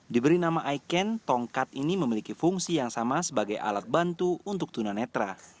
diberi nama iken tongkat ini memiliki fungsi yang sama sebagai alat bantu untuk tunanetra